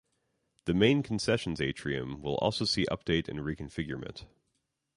The main concessions atrium will also see update and reconfigurement.